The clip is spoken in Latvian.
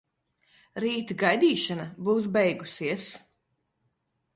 Rīt gaidīšana būs beigusies.